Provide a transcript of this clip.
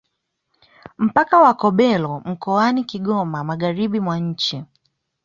Mpaka wa Kobero mkoani Kigoma Magharibi mwa nchi